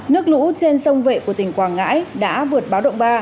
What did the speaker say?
nước lũ trên sông vệ của tỉnh quảng ngãi đã vượt báo động ba